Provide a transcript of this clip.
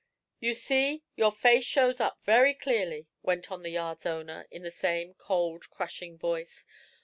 "You see, your face shows up very clearly," went on the yard's owner, in the same cold, crushing voice.